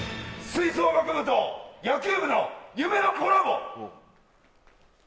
吹奏楽部と野球部の夢のコラボ！